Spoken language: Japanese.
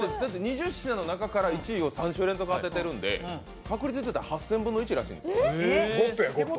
２０品の中から１位を３週連続で当ててるんで、確率でいうと８０００分の１らしいんです。